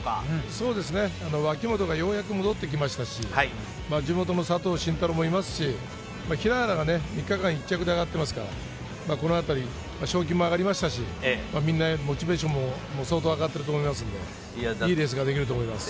そうですね、脇本がようやく戻ってきましたし、地元の佐藤慎太郎もいますし、平原が３日間、１着であがってますから、このあたり、賞金も上がりましたし、みんなモチベーションも相当上がってると思いますんで、いいレースができると思います。